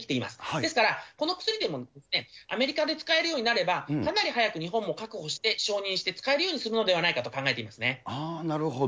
ですから、この薬でもアメリカで使えるようになれば、かなり早く日本も確保して、承認して、使えるようにするのでなるほど。